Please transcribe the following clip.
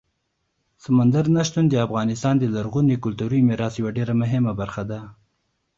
سمندر نه شتون د افغانستان د لرغوني کلتوري میراث یوه ډېره مهمه برخه ده.